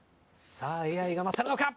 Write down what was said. さあＡＩが勝るのか？